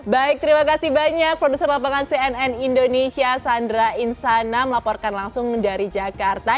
baik terima kasih banyak produser lapangan cnn indonesia sandra insana melaporkan langsung dari jakarta